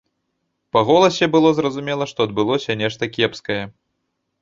Па голасе было зразумела, што адбылося нешта кепскае.